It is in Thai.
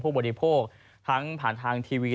บริโภคทั้งผ่านทางทีวี